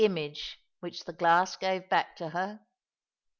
image which the glass gaye back to her?